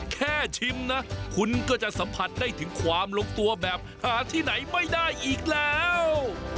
แค่ชิมนะคุณก็จะสัมผัสได้ถึงความลงตัวแบบหาที่ไหนไม่ได้อีกแล้ว